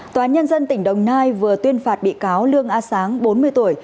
tòa án nhân dân tỉnh đồng nai vừa tuyên phạt bị cáo lương a sáng bốn mươi tuổi